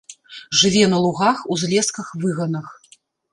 Жыве на лугах, узлесках, выганах.